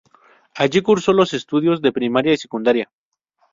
Allí curso los estudios de primaria y secundaria.